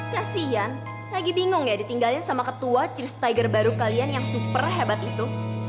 kasian lagi bingung ya ditinggalin sama ketua stigger baru kalian yang super hebat itu